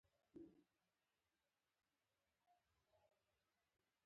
زه د لومړي ځل لپاره د هغه په اړه ژبه پرانیزم.